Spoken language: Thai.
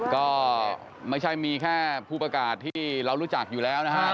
ก็ไม่ใช่มีแค่ผู้ประกาศที่เรารู้จักอยู่แล้วนะฮะ